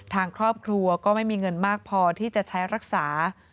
ทางครอบครัวก็ไม่มีเงินมากพอที่จะใช้รักษา